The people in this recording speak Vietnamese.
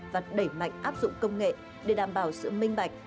và đẩy mạnh áp dụng công nghệ để đảm bảo sự minh bạch